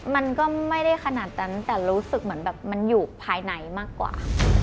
มันก็ไม่ได้ขนาดนั้นแต่รู้สึกเหมือนแบบมันอยู่ภายในมากกว่า